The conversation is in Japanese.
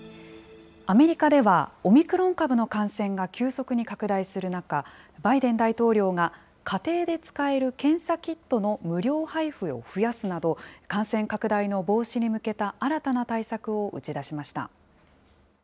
アメリカでは、オミクロン株の感染が急速に拡大する中、バイデン大統領が、家庭で使える検査キットの無料配布を増やすなど、感染拡大の防止に向けた新たな対策を打ち出しました。